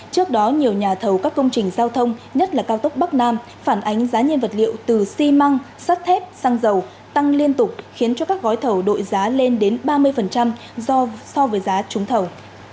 trước đó nhiều nhà thầu các công trình giao thông nhất là cao tốc bắc nam phản ánh giá nhiên vật liệu từ xi măng sắt thép xăng dầu tăng liên tục khiến cho các gói thầu đội giá lên đến ba mươi so với giá trúng thầu